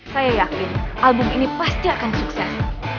saya yakin album ini pasti akan sukses